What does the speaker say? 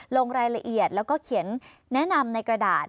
ลงรายละเอียดแล้วก็เขียนแนะนำในกระดาษ